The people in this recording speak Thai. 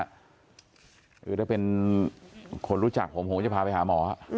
คือถ้าเป็นคนรู้จักผมผมก็จะพาไปหาหมอ